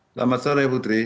selamat sore putri